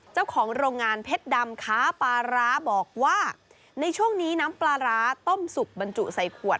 เจ้าของโรงงานเพชรดำค้าปลาร้าบอกว่าในช่วงนี้น้ำปลาร้าต้มสุกบรรจุใส่ขวด